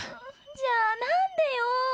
じゃあ何でよ？